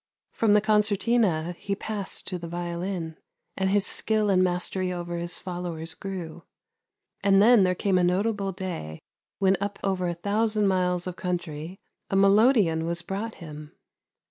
From the concertina he passed to the violin, and his skill and mastery over his followers grew ; and then there came a notable day when up over a thousand miles of country a melodeon was brought him.